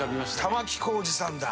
玉置浩二さんだ。